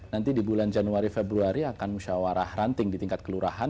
nanti di bulan januari februari akan musyawarah ranting di tingkat kelurahan